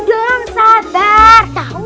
ada kabar penting